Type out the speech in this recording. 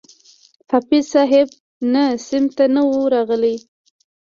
حافظ صاحب نه صنف ته نه وو راغلى.